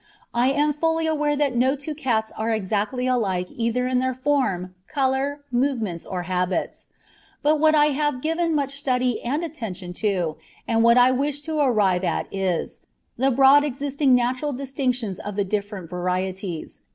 I am fully aware that no two cats are exactly alike either in their form, colour, movements, or habits; but what I have given much study and attention to, and what I wish to arrive at is, the broad existing natural distinctions of the different varieties.